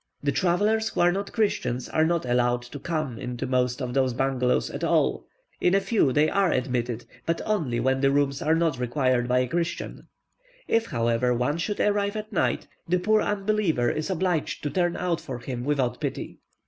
The travellers who are not Christians are not allowed to come into most of the bungalows at all; in a few they are admitted, but only when the rooms are not required by a Christian; if, however, one should arrive at night, the poor unbeliever is obliged to turn out for him without pity.